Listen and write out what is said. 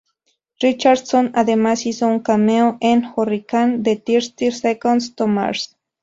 Richardson, además hizo un cameo en "Hurricane" de Thirty Seconds to Mars.